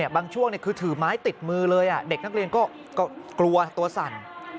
บางช่วงคือถือไม้ติดมือเลยเด็กนักเรียนก็กลัวตัวสั่น